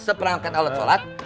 seperangkat alat sholat